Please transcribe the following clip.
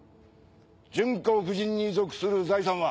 純子夫人に属する財産は？